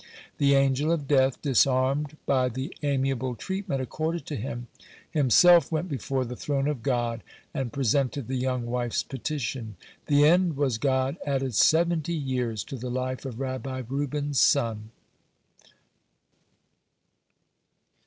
The Angel of Death, disarmed by the amiable treatment accorded to him, himself went before the throne of God and presented the young wife's petition. The end was God added seventy years to the life of Rabbi Reuben's son.